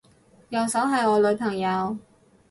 右手係我女朋友